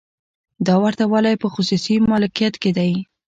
دا ورته والی په خصوصي مالکیت کې دی.